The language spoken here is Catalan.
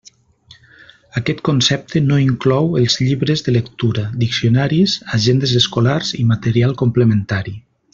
Aquest concepte no inclou els llibres de lectura, diccionaris, agendes escolars i material complementari.